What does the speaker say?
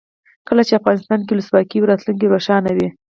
کله چې افغانستان کې ولسواکي وي راتلونکی روښانه وي.